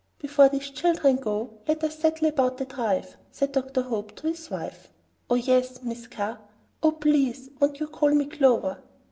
"Before these children go, let us settle about the drive," said Dr. Hope to his wife. "Oh, yes! Miss Carr " "Oh, please, won't you call me Clover?"